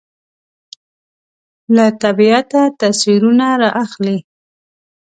له طبیعته تصویرونه رااخلي